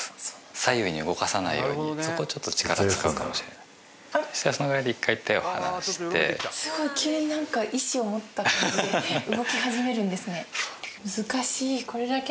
左右に動かさないようにそこはちょっと力使うかもしれないそのぐらいで１回手を離してすごい急に何か意思を持った感じで動き始めるんですね